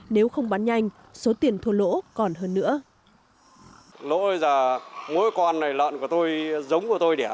nếu không bán nhanh số tiền thua lỗ còn hơn nữa